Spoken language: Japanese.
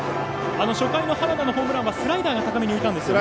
初回の花田のホームランはスライダーが高めに浮いたんですよね。